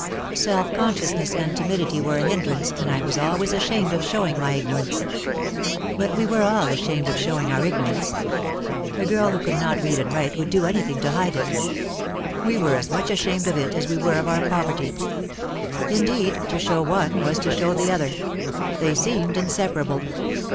Self conscious ness and timidity were a hindrance and I was always ashamed of showing my ignorance. But we were all ashamed of showing our ignorance. A girl who could not read and write would do anything to hide it. We were as much ashamed of it as we were of our poverty. Indeed, to show one was to show the other. They seemed inseparable.